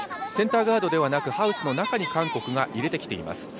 センターガードではなく、ハウスの中に韓国が入れてきています。